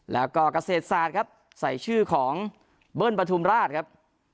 แล้วก็เกษตรศาสตร์ครับใส่ชื่อของเบิ้ลปฐุมราชครับ